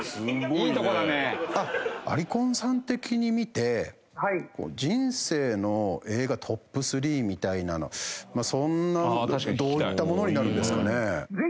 アリコンさん的に見て人生の映画トップ３みたいなのそんなどういったものになるんですかね？